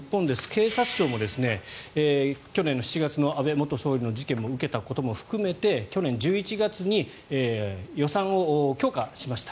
警察庁も去年７月の安倍元総理の事件を受けたことも含めて去年１１月に予算を強化しました。